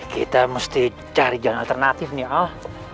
kita mesti cari jalan alternatif nih oh